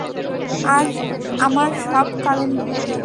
আমার সব কারন ভুল।